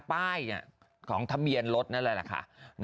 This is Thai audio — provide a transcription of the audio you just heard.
ป้ายของทะเบียนรถนั่นแหละค่ะ